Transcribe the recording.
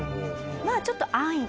まあちょっと。